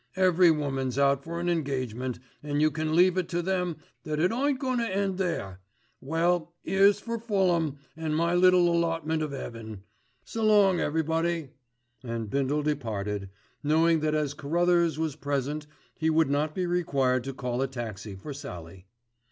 "Every woman's out for an engagement, an' yer can leave it to them that it ain't goin' to end there. Well, 'ere's for Fulham, an' my little allotment of 'eaven. S'long everybody," and Bindle departed, knowing that as Carruthers was present he would not be required to call a taxi for Sallie.